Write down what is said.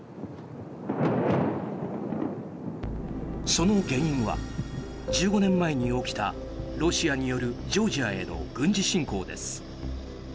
その原因は１５年前に起きたロシアによるジョージアへの軍事侵攻です。